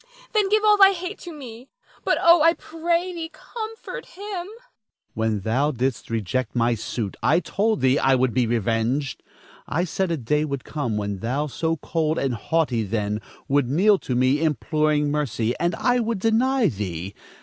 Then give all thy hate to me; but oh, I pray thee, comfort him. Don Felix. When thou didst reject my suit, I told thee I would be revenged; I said a day would come when thou, so cold and haughty then, would kneel to me imploring mercy and I would deny thee.